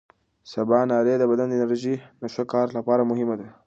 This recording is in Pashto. سباناري د بدن د انرژۍ د ښه کار لپاره مهمه ده.